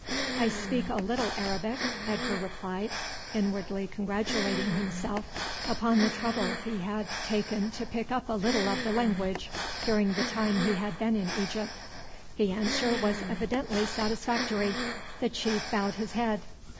"I speak a little Arabic," Edgar replied, inwardly congratulating himself upon the trouble he had taken to pick up a little of the language during the time he had been in Egypt. The answer was evidently satisfactory. The chief bowed his head.